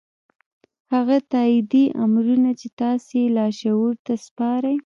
هغه تايیدي امرونه چې تاسې یې لاشعور ته سپارئ